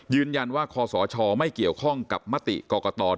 ยืนยันว่าคสชไม่เกี่ยวข้องกับมติกรกฎ